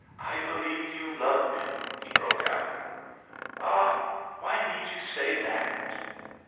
"I believe you love me!" he broke out. "Ah, why need you say that?"